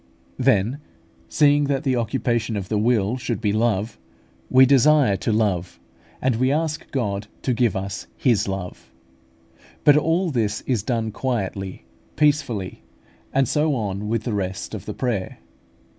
Then, seeing that the occupation of the will should be love, we desire to love, and we ask God to give us His love. But all this is done quietly, peacefully; and so on with the rest of the prayer.